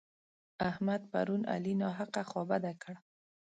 احمد پرون علي ناحقه خوابدی کړ.